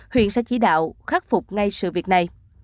huyện sẽ chỉ đạo khắc phục ngay sự việc này